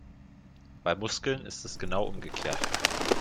Bei Muskeln ist es genau umgekehrt.